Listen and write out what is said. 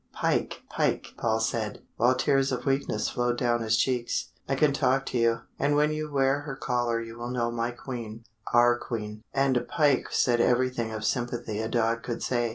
Pike, Pike!" Paul said, while tears of weakness flowed down his cheeks. "I can talk to you and when you wear her collar you will know my Queen our Queen." And Pike said everything of sympathy a dog could say.